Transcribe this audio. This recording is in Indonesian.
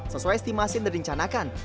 sesuai estimasi yang direncanakan